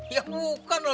ya bukan loh